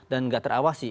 dan gak terawasi